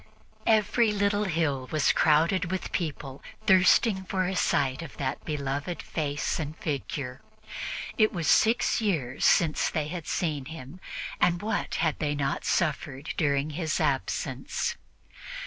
Every little hill was crowded with people thirsting for a sight of that beloved face and figure. It was six years since they had seen him, and what had they not suffered during his absence?